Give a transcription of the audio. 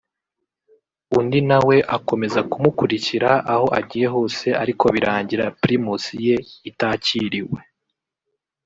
undi na we akomeza kumukurikira aho agiye hose ariko birangira Primus ye itakiriwe